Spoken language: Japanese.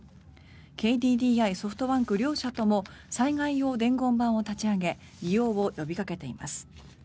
ＫＤＤＩ、ソフトバンク両社とも災害用伝言板を立ち上げ利用を呼びかけています。